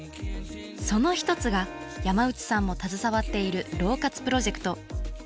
その一つが山内さんも携わっているＬＯ活プロジェクト。